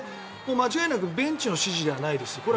間違いなくベンチの指示ではないです。